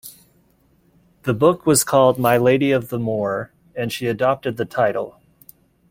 The book was called "My Lady of the Moor", and she adopted the title.